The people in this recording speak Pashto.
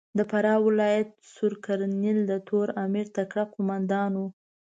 د فراه ولایت سور کرنېل د تور امیر تکړه کومندان ؤ.